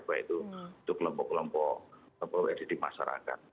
baik itu untuk kelompok kelompok atau yang di masyarakat